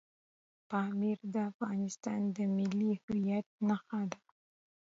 پامیر د افغانستان د ملي هویت نښه ده.